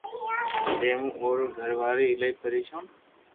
جي مون اورو گر وارو ايلائي پريݾون